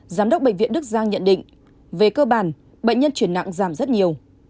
giám đốc bệnh viện đức giang nhận định về cơ bản bệnh nhân chuyển nặng giảm rất nhiều